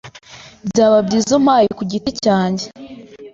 Byaba byiza umpaye kugiti cyanjye.